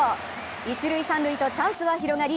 一・三塁とチャンスが広がり